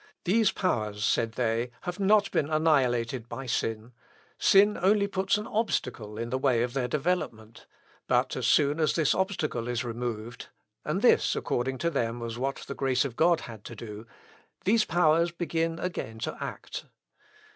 "These powers," said they, "have not been annihilated by sin; sin only puts an obstacle in the way of their development; but as soon as this obstacle is removed (and this, according to them, was what the grace of God had to do,) these powers begin again to act."